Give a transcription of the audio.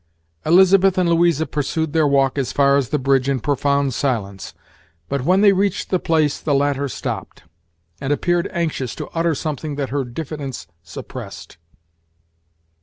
Elizabeth and Louisa pursued their walk as far as the bridge in profound silence; but when they reached that place the latter stopped, and appeared anxious to utter something that her diffidence suppressed.